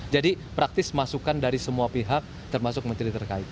jadi praktis masukan dari semua pihak termasuk menteri terkait